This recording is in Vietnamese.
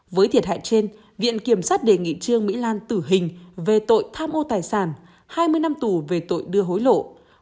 với thiệt hại trên viện kiểm sát đề nghị trương mỹ lan tử hình về tội tham ô tài sản hai mươi năm tù về tội đưa hối lộ